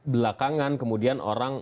belakangan kemudian orang